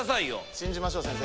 信じましょう先生。